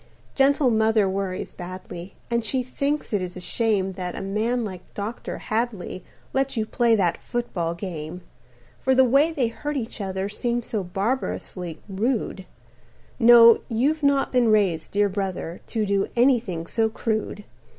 "Gentle mother worries badly, And she thinks it is a shame That a man like Dr. Hadley Lets you play that football game. "For the way they hurt each other Seems so barbarously rude No, you've not been raised, dear brother, To do anything so crude.